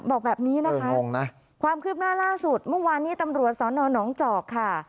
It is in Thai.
บอกแบบนี้นะคะความคืบหน้าล่าสุดมั่งวานนี้ตำรวจสอนอนเจาะค่ะ